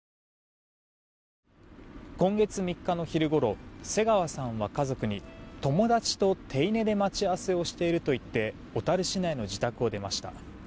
今月３日の昼ごろ瀬川さんは家族に友達と手稲で待ち合わせをしていると言って小樽市内の自宅を出ました。